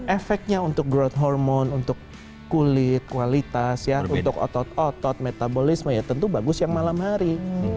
efeknya untuk growth hormon untuk kulit kualitas untuk otot otot metabolisme ya tentu bagus yang malam hari